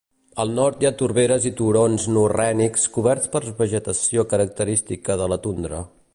Al nord hi ha torberes i turons morrènics coberts per vegetació característica de la tundra.